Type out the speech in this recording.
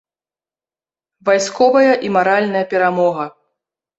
Вайсковая і маральная перамога.